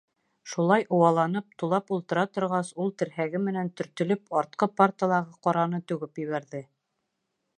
Шулай ыуаланып, тулап ултыра торғас, ул, терһәге менән төртөлөп, артҡы парталағы ҡараны түгеп ебәрҙе.